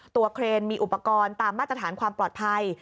เครนมีอุปกรณ์ตามมาตรฐานความปลอดภัย